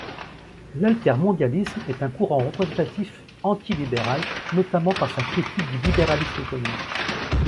L'altermondialisme est un courant représentatif antilibéral, notamment par sa critique du libéralisme économique.